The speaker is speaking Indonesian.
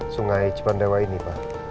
sungai cipandewa ini pak